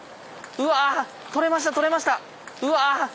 うわ取れました取れました！